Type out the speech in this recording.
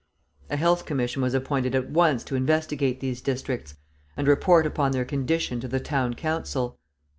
A Health Commission was appointed at once to investigate these districts, and report upon their condition to the Town Council.